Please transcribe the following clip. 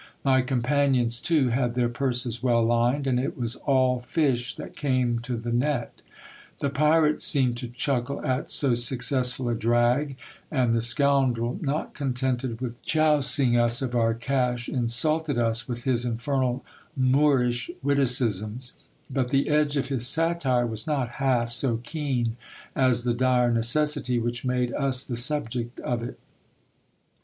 My companions too had their purses well lined ; and it was all fish that came to the net The pirate seemed to chuckle at so successful a drag ; and the scoundrel, not contented with chousing us of our cash, insulted us with his infernal Moorish witticisms : but the edge of his satire was not half so keen as the dire necessity which made us the subject of it.